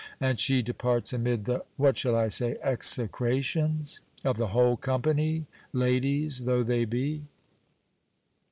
And she departs amid the what shall I say? execrations? of the whole company, ladies though they be.